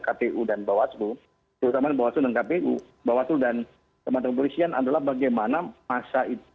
kpu dan bawaslu terutama bawaslu dan kpu bawaslu dan teman teman polisian adalah bagaimana masa itu